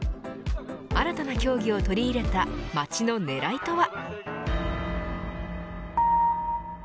新たな競技を取り入れた町の狙いとは。